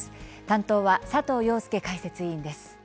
担当は佐藤庸介解説委員です。